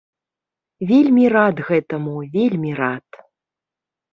Вельмі рад гэтаму, вельмі рад!